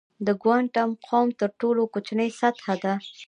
د کوانټم فوم تر ټولو کوچنۍ سطحه ده.